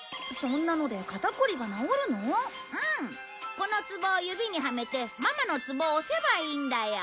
この壺を指にはめてママのツボを押せばいいんだよ。